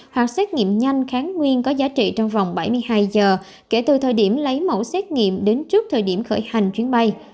hoặc xét nghiệm nhanh kháng nguyên có giá trị trong vòng bảy mươi hai giờ kể từ thời điểm lấy mẫu xét nghiệm đến trước thời điểm khởi hành chuyến bay